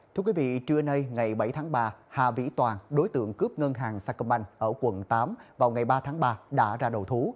thưa quý vị trưa nay ngày bảy tháng ba hà vĩ toàn đối tượng cướp ngân hàng sacombank ở quận tám vào ngày ba tháng ba đã ra đầu thú